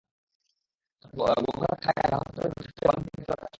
তবে গোঘাট এলাকায় ভাঙন প্রতিরোধে নদীর তীরে বালুভর্তি ব্যাগ ফেলার কাজ চলছে।